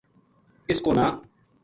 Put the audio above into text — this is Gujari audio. اس کو ناں